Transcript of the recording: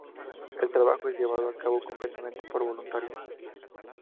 El trabajo es llevado a cabo completamente por voluntarios.